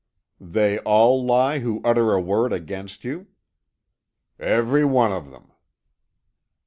"They all lie who utter a word against you?" "Every one of them."